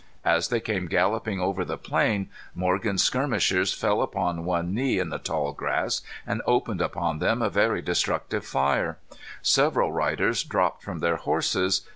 As they came galloping over the plain, Morgan's skirmishers fell upon one knee, in the tall grass, and opened upon them a very destructive fire. Several riders dropped from their horses.